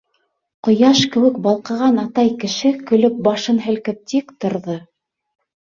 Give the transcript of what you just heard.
Ҡояш кеүек балҡыған атай кеше көлөп башын һелкеп тик торҙо.